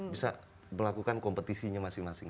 bisa melakukan kompetisinya masing masing